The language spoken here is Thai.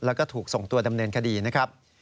แล้วก็ถูกส่งตัวดำเนินคดีนะครับ